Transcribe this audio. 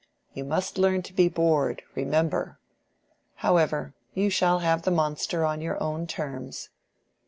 You must learn to be bored, remember. However, you shall have the monster on your own terms."